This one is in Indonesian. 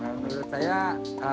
nah menurut saya